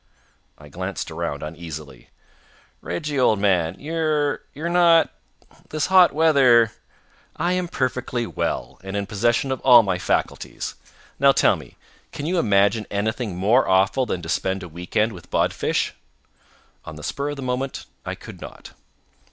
I glanced around uneasily. "Reggie, old man, you're you're not This hot weather " "I am perfectly well, and in possession of all my faculties. Now tell me. Can you imagine anything more awful than to spend a weekend with Bodfish?" On the spur of the moment I could not.